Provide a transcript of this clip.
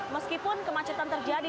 di sini meskipun kemacetan terjadi